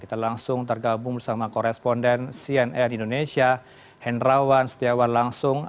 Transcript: kita langsung tergabung bersama koresponden cnn indonesia henrawan setiawan langsung